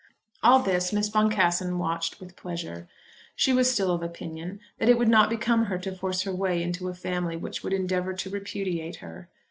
All this Miss Boncassen watched with pleasure. She was still of opinion that it would not become her to force her way into a family which would endeavour to repudiate her.